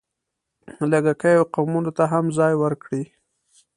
لږکیو قومونو ته هم ځای ورکړی.